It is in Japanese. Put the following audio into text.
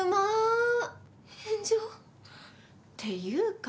っていうか